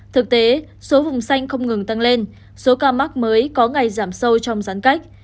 thực tế số vùng xanh không ngừng tăng lên số ca mắc mới có ngày giảm sâu trong gián cách